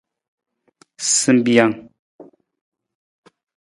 Simbijang.